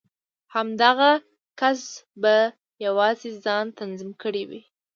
همدغه کس په يوازې ځان تنظيم کړی و.